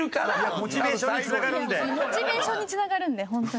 モチベーションにつながるんで本当に。